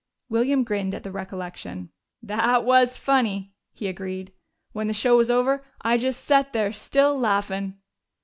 William grinned at the recollection. "They was funny," he agreed. "When the show was over, I just set there, still laughin'!"